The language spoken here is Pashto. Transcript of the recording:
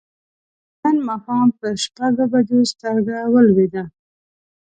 نن ماښام پر شپږو بجو سترګه ولوېده.